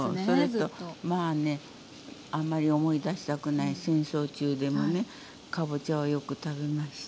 まあねあんまり思い出したくない戦争中でもねかぼちゃはよく食べました。